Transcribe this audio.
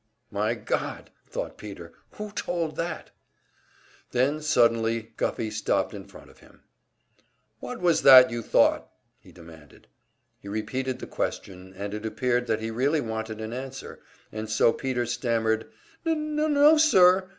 "My God!" thought Peter. "Who told that?" Then suddenly Guffey stopped in front of him. "Was that what you thought?" he demanded. He repeated the question, and it appeared that he really wanted an answer, and so Peter stammered, "N n no, sir."